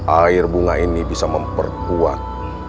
air bunga ini bisa memperkuat